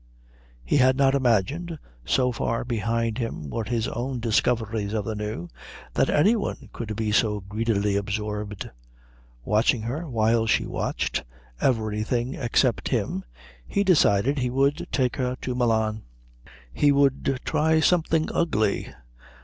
He had not imagined, so far behind him were his own discoveries of the new, that any one could be so greedily absorbed. Watching her, while she watched everything except him, he decided he would take her to Milan. He would try something ugly.